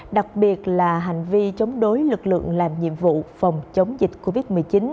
đặc biệt là hành vi chống đối lực lượng làm nhiệm vụ phòng chống dịch covid một mươi chín